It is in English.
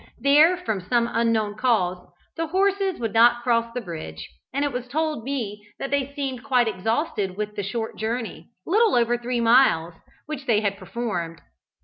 There, from some unknown cause, the horses would not cross the bridge; and it was told me that they seemed quite exhausted with the short journey little over three miles which they had performed.